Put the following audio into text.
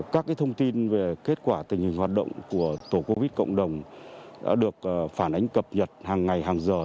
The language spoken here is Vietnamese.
các thông tin về kết quả tình hình hoạt động của tổ covid cộng đồng đã được phản ánh cập nhật hàng ngày hàng giờ